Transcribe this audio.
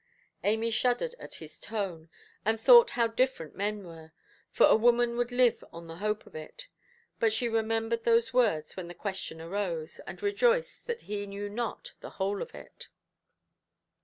Amy shuddered at his tone, and thought how different men were: for a woman would live on the hope of it. But she remembered those words when the question arose, and rejoiced that he knew not the whole of it.